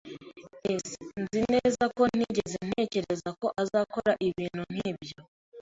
[S] Nzi neza ko ntigeze ntekereza ko azakora ibintu nkibyo.